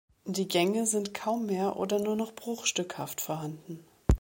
Die Gänge sind kaum mehr oder nur noch bruchstückhaft vorhanden.